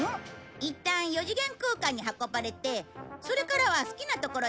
いったん四次元空間に運ばれてそれからは好きな所へ出せるよ。